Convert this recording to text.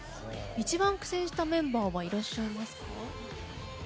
一番苦戦したメンバーはいらっしゃいますか？